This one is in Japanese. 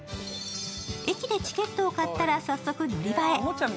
駅でチケットを買ったら早速、乗り場へ。